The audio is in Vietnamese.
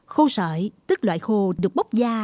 khô sợi tức loại khô được bóp da